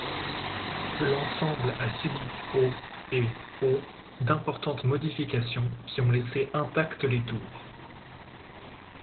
L'ensemble a subi au et au d'importantes modifications qui ont laissé intactes les tours.